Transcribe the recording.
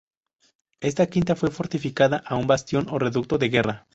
Esta quinta fue fortificada a un bastión o reducto de guerra.